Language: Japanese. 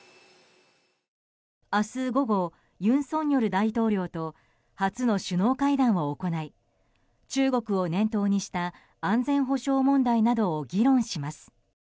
明日午後、尹錫悦大統領と初の首脳会談を行い中国を念頭にした安全保障問題などを議論します。